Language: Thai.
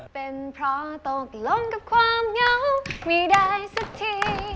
เป็นเพราะตกลงกับความเหงาไม่ได้สักที